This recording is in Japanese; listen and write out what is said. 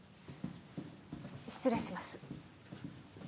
失礼します